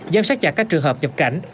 giám sát chặt các trường hợp nhập cảnh